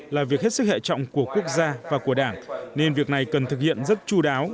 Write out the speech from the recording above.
là việc hết sức hệ trọng của quốc gia và của đảng nên việc này cần thực hiện rất chú đáo